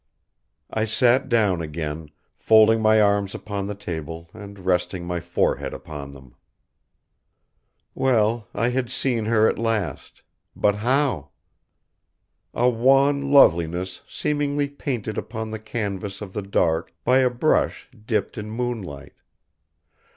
I sat down again, folding my arms upon the table and resting my forehead upon them. Well, I had seen her at last but how? A wan loveliness seemingly painted upon the canvas of the dark by a brush dipped in moonlight.